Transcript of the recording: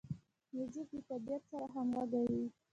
موزیک د طبیعت سره همغږی وي.